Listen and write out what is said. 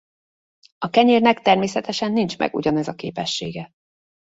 A kenyérnek természetesen nincs meg ugyanez a képessége.